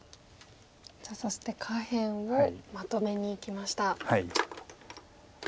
そして下辺をまとめにいきました。